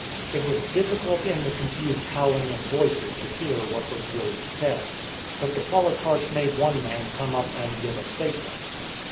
It was difficult in the confused howling of voices to hear what was really said. But the politarchs made one man come up and give a statement.